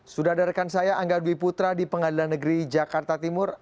sudah ada rekan saya angga dwi putra di pengadilan negeri jakarta timur